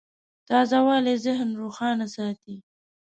تازهوالی ذهن روښانه ساتي.